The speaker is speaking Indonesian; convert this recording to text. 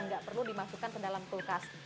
nggak perlu dimasukkan ke dalam kulkas